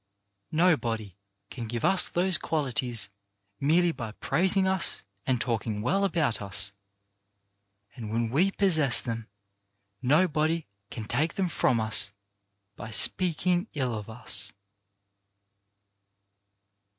Nobody can give us those qualities merely by praising us and talking well about us; and when we possess them, nobody can take them from us by speaking ill of us.